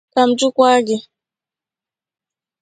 Ka m jụkwa gị